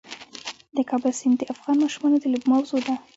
د کابل سیند د افغان ماشومانو د لوبو موضوع ده.